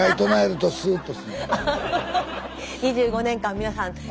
２５年間皆さん